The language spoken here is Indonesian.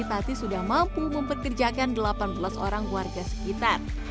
kini tati sudah mampu memperkerjakan delapan belas orang keluarga sekitar